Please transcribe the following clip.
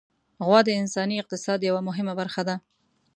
غوا د انساني اقتصاد یوه مهمه برخه ده.